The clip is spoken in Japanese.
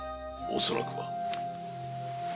恐らくは。